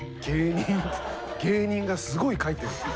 芸人がすごい書いてる。